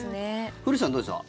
古市さんはどうでしょう。